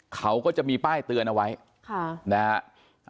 เขาก็จะมีป้ายเตือนเอาไว้นะครับ